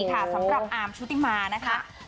สำหรับอาร์มชุติมานะคะ